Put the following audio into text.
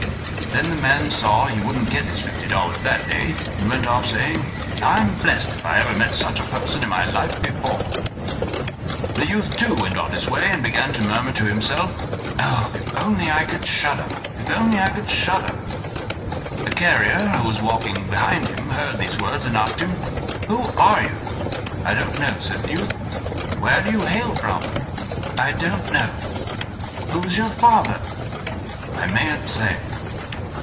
Then the man saw he wouldn't get his fifty dollars that day, and went off, saying: "Well, I'm blessed if I ever met such a person in my life before." The youth went too on his way, and began to murmur to himself: "Oh! if I could only shudder! if I could only shudder!" A carrier who was walking behind him heard these words, and asked him: "Who are you" "I don't know," said the youth. "Where do you hail from?" "I don't know." "Who's your father?" "I mayn't say."